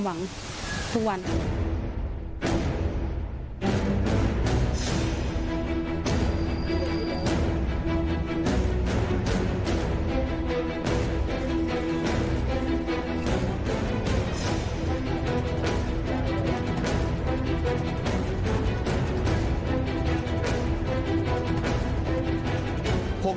สวัสดีครับทุกคน